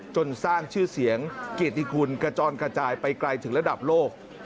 จนสร้างชื่อเสียงเกียรติคุณกระจอนกระจายไปไกลถึงระดับโลก